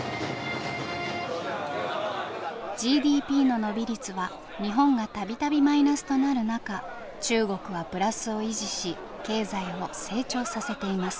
ＧＤＰの伸び率は日本が度々マイナスとなる中中国はプラスを維持し経済を成長させています。